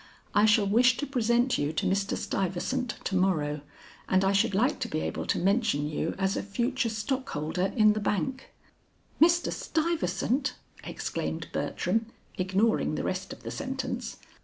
I shall wish to present you to Mr. Stuyvesant to morrow, and I should like to be able to mention you as a future stockholder in the bank." "Mr. Stuyvesant!" exclaimed Bertram, ignoring the rest of the sentence.